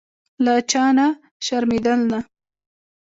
له چا نه شرمېدل نه.